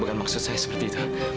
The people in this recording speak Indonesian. bukan maksud saya seperti itu